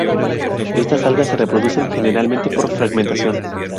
Estas algas se reproducen generalmente por fragmentación.